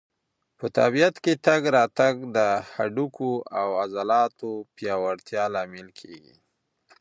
په طبیعت کې تګ راتګ د هډوکو او عضلاتو د پیاوړتیا لامل کېږي.